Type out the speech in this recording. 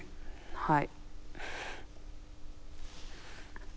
はい。